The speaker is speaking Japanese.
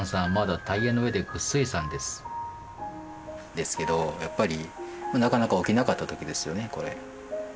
ですけどやっぱりなかなか起きなかった時ですよねこれ。